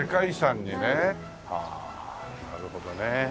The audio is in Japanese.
ああなるほどね。